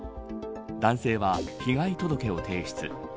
男性は被害届を提出。